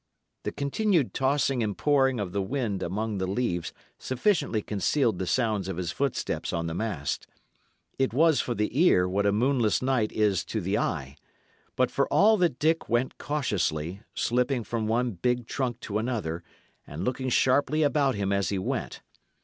The continued tossing and pouring of the wind among the leaves sufficiently concealed the sounds of his footsteps on the mast; it was for the ear what a moonless night is to the eye; but for all that Dick went cautiously, slipping from one big trunk to another, and looking sharply about him as he went.